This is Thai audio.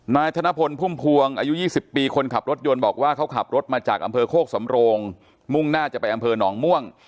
นายธนพลพุ่มพวงอายุ๒๐ปีคนขับรถยนต์บอกว่าเขาขับรถมาจากอำเภอโคกสำโรงมุ่งหน้าจะไปอำเภอหนองม่วง